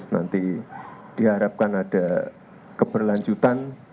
nanti diharapkan ada keberlanjutan